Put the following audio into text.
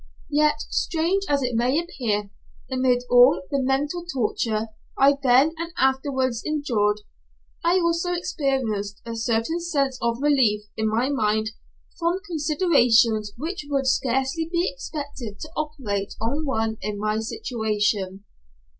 Yet, strange as it may appear, amid all the mental torture I then and afterwards endured, I also experienced a certain sense of relief in my mind from considerations which would scarcely be expected to operate on one in my situation.